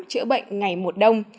chữa bệnh ngày một đông